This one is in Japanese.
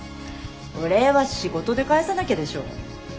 お礼は仕事で返さなきゃでしょ。